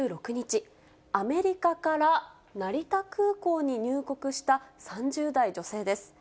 アメリカから成田空港に入国した３０代女性です。